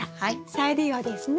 再利用ですね。